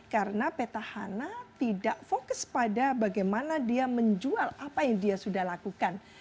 karena petahana tidak fokus pada bagaimana dia menjual apa yang dia sudah lakukan